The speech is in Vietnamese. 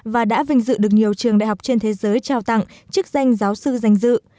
và đã vinh dự được nhiều trường đại học trên thế giới trao tặng chức danh giáo sư danh dự